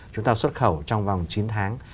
chúng ta xuất khẩu trong vòng chín tháng